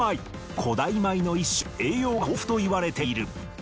古代米の一種で栄養が豊富と言われている。